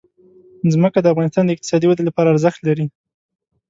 ځمکه د افغانستان د اقتصادي ودې لپاره ارزښت لري.